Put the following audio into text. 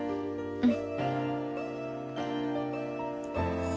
うん。